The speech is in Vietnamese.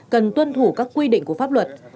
cần tuân thủ các quy định của pháp luật